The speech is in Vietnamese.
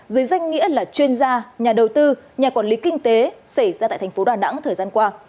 dưới danh nghĩa là chuyên gia nhà đầu tư nhà quản lý kinh tế xảy ra tại thành phố đà nẵng thời gian qua